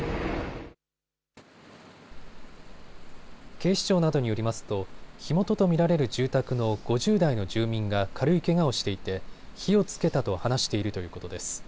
警視庁などによりますと火元と見られる住宅の５０代の住民が軽いけがをしていて火をつけたと話しているということです。